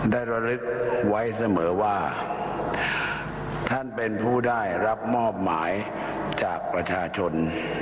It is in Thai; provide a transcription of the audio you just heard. ระลึกไว้เสมอว่าท่านเป็นผู้ได้รับมอบหมายจากประชาชน